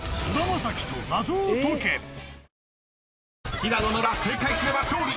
［平野ノラ正解すれば勝利！